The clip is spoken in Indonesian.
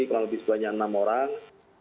kalau lebih sebagiannya enam orang